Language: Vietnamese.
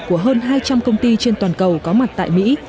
của hơn hai trăm linh công ty trên toàn cầu có mặt tại mỹ